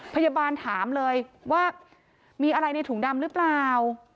พยาบาลถามเลยว่ามีอะไรในถุงดำหรือเปล่า